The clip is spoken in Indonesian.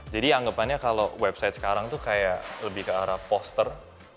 jadi anggapannya kalau website sekarang itu kayak lebih ke arah poster